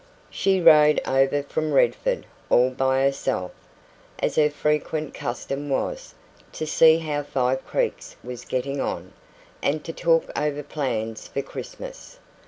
She rode over from Redford, all by herself, as her frequent custom was, to see how Five Creeks was getting on, and to talk over plans for Christmas.